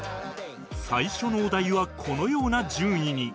最初のお題はこのような順位に